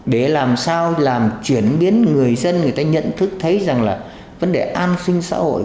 để làm sao làm chuyển biến người dân người ta nhận thức thấy rằng là vấn đề an sinh xã hội